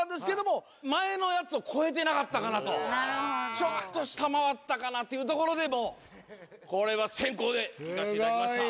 ちょっと下回ったかなというところでもうこれは先攻でいかしていただきました。